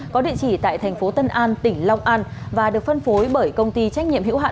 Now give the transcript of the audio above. có địa chỉ tại thành phố tân an tỉnh long an và được phân phối bởi công ty trách nhiệm hữu hạn